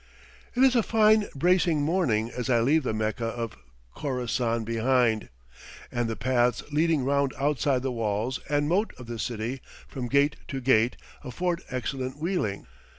It is a fine bracing morning as I leave the Mecca of Khorassan behind, and the paths leading round outside the walls and moat of the city from gate to gate afford excellent wheeling.